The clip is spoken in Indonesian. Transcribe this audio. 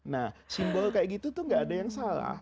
nah simbol kayak gitu tuh gak ada yang salah